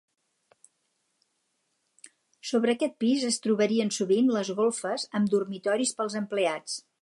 Sobre aquest pis es trobarien sovint les golfes amb dormitoris pels empleats.